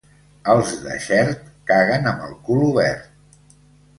Els de Xert, caguen amb el cul obert.